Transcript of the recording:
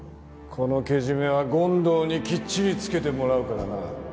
このけじめは権藤にきっちりつけてもらうからな。